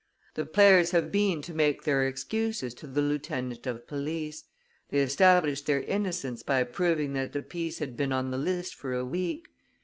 The players have been to make their excuses to the lieutenant of police, they established their innocence by proving that the piece had been on the list for a week.